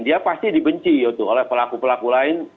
dia pasti dibenci oleh pelaku pelaku lain